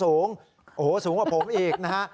สูงโอ้โหสูงกว่าผมอีกนะฮะ